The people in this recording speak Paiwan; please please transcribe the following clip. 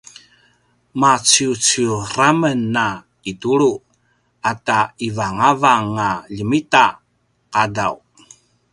maciuciur a men a itulu ata ivangavang a ljemita qadaw